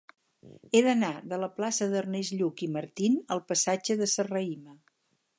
He d'anar de la plaça d'Ernest Lluch i Martín al passatge de Serrahima.